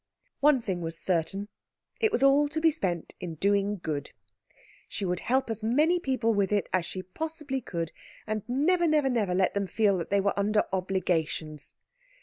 One thing was certain it was all to be spent in doing good; she would help as many people with it as she possibly could, and never, never, never let them feel that they were under obligations.